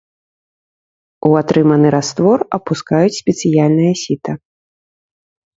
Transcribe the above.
У атрыманы раствор апускаюць спецыяльнае сіта.